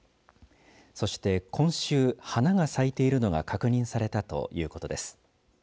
そして今週、花が咲いているのが確認されたということです。